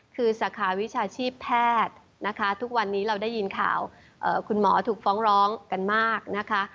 คือสาขาวิชาชีพแพทย์นะคะทุกวันนี้เราได้ยินข่าวคุณหมอถูกฟ้องร้องกันมากนะคะ